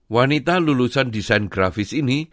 wanita lulusan desain grafis ini